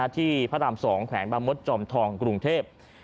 ที่พระอาบสองแขวงบางมดจอร์มทองกรุงเทพ